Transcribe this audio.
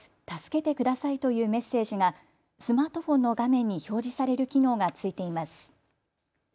助けてくださいというメッセージがスマートフォンの画面に表示される機能がついています。